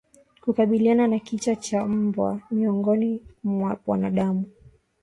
Kukabiliana na kichaa cha mbwa miongoni mwa wanadamu